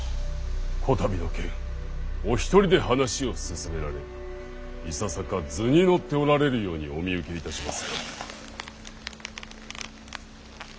こたびの件お一人で話を進められいささか図に乗っておられるようにお見受けいたしますが。